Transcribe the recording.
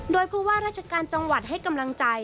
โดยผู้ว่าราชการจังหวัดให้กำลังใจ